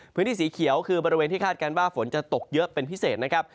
พื้นที่สีเขียวคือบริเวณที่คาดการณ์ว่าฝนจะตกเยอะเป็นพิเศษนะครับ